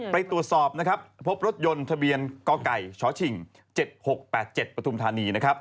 ไปตรวจสอบพบรถยนต์ทะเบียนกไก่ชชิ่ง๗๖๘๗ประทุมธานี